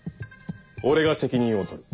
俺が責任を取る。